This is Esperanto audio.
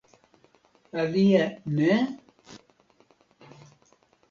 Alie ne?